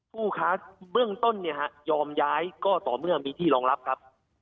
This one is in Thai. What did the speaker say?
ผู้ค้าเบื้องต้นเนี่ยฮะยอมย้ายก็ต่อเมื่อมีที่รองรับครับ